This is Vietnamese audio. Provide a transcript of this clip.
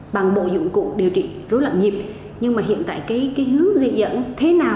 bằng bộ dụng cụ điều trị rối loạn nhịp nhưng mà hiện tại cái hướng di dẫn thế nào